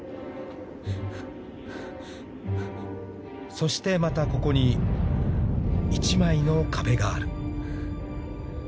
［そしてまたここに１枚の壁がある］